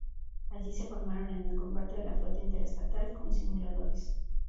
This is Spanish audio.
Allí se formaron en el combate de la flota interestelar con simuladores.